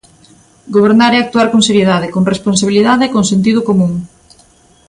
Gobernar é actuar con seriedade, con responsabilidade e con sentido común.